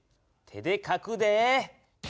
手でかくで！